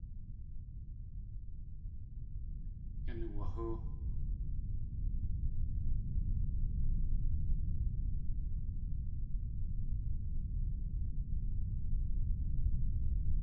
Yan uwahóo.